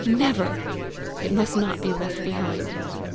Never! It must not be left behind!